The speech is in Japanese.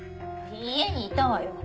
家にいたわよ。